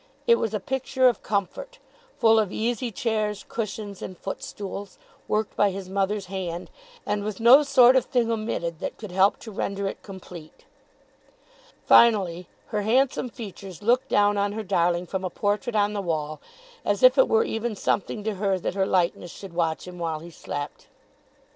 It was a picture of comfort, full of easy chairs, cushions and footstools, worked by his mother's hand, and with no sort of thing omitted that could help to render it complete. Finally, her handsome features looked down on her darling from a portrait on the wall, as if it were even something to her that her likeness should watch him while he slept.